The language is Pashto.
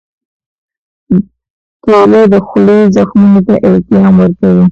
کېله د خولې زخمونو ته التیام ورکوي.